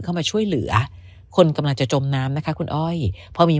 เข้ามาช่วยเหลือคนกำลังจะจมน้ำนะคะคุณอ้อยพอมี